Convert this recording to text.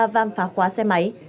ba vam phá khóa xe máy